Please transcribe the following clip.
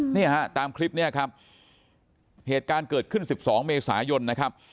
เนี่ยฮะตามคลิปเนี่ยครับเหตุการณ์เกิดขึ้น๑๒เมษายนนะครับ